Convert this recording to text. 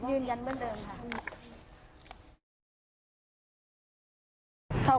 ยืนยันเหมือนเดิมค่ะ